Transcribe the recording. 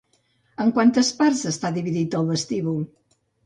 En quantes parts està dividit el vestíbul?